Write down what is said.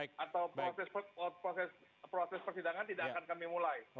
atau proses persidangan tidak akan kami mulai